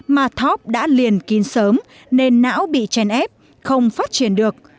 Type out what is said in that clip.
mà top đã liền kín sớm nên não bị chèn ép không phát triển được